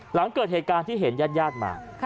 หลังเกิดเหตุการณ์ที่เห็นญาติมา